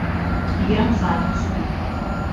Играм заедно со нив.